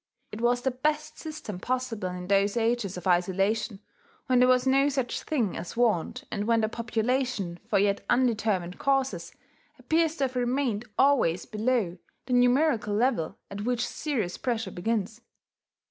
It was the best system possible in those ages of isolation when there was no such thing as want, and when the population, for yet undetermined causes, appears to have remained always below the numerical level at which serious pressure begins....